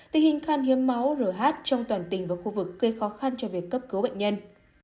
tình hình khăn hiếm máu rửa hát trong toàn tình và khu vực gây khó khăn cho việc cấp cứu bệnh nhân